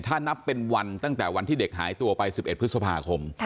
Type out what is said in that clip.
ถ้านับเป็นวันตั้งแต่วันที่เด็กหายตัวไป๑๑พฤษภาคม